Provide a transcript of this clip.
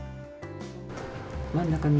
真ん中に？